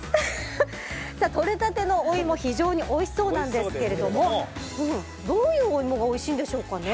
とれたてのお芋非常においしそうなんですがどういうお芋がおいしいんでしょうか。